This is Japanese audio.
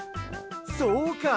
そうか！